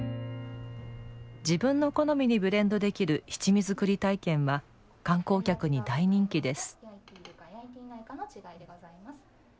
自分の好みにブレンドできる七味作り体験は観光客に大人気です。